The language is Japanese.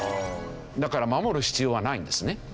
だから守る必要はないんですね。